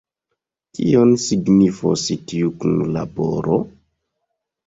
Kion signifos tiu kunlaboro?